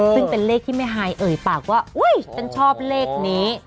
ซึ่งเป็นเลขที่แม่ฮายเอ่ยปากว่าอุ๊ยฉันชอบเลขนี้